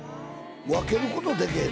分けることできへんの？